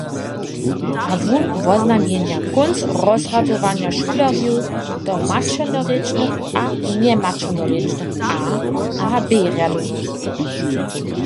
A wón woznamjenja kónc rozrjadowanja šulerjow do maćernorěčnych a njemaćernorěčnych A- a B-rjadownjow.